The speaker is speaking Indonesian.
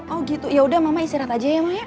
oh gitu yaudah mama istirahat aja ya mak ya